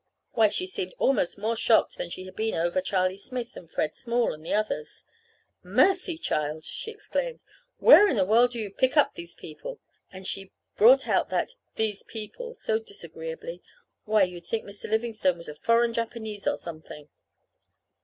Why, she seemed almost more shocked than she had been over Charlie Smith and Fred Small, and the others. "Mercy, child!" she exclaimed. "Where in the world do you pick up these people?" And she brought out that "these people" so disagreeably! Why, you'd think Mr. Livingstone was a foreign Japanese, or something.